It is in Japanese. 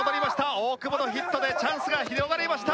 大久保のヒットでチャンスが広がりました！